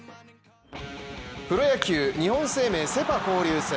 プロ野球日本生命セ・パ交流戦